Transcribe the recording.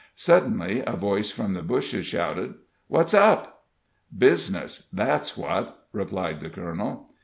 Suddenly a voice from the bushes shouted: "What's up?" "Business that's what," replied the colonel.